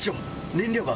燃料が。